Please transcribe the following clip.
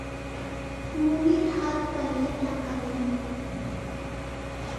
মুনির হাত বাড়িয়ে টাকা নিল।